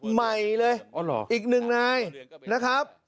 ใหม่เลยอีกหนึ่งนายนะครับ